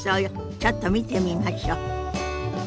ちょっと見てみましょ。